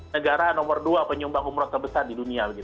negara nomor dua penyumbang umroh terbesar di dunia